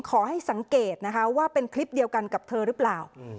ขอให้สังเกตนะคะว่าเป็นคลิปเดียวกันกับเธอหรือเปล่า